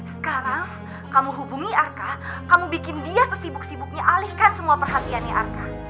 sekarang kamu hubungi arka kamu bikin dia sesibuk sibuknya alihkan semua perhatiannya arka